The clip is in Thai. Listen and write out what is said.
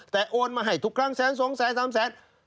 แต่โอนมาให้ทุกครั้งแสนสองแสนสามแสน